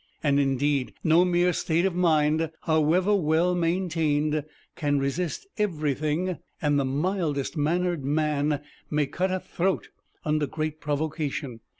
And indeed no mere state of mind, however well maintained, can resist everything, and the mildest mannered man may cut a throat under great provocation.